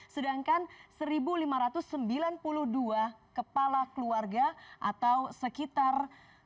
sedangkan satu lima ratus sembilan puluh dua kepala keluarga atau sekitar